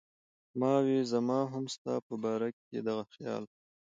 ما وې زما هم ستا پۀ باره کښې دغه خيال دی